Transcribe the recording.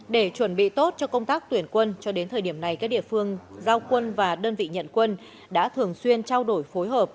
để chuẩn bị tốt cho công tác tuyển quân cho đến thời điểm này các địa phương giao quân và đơn vị nhận quân đã thường xuyên trao đổi phối hợp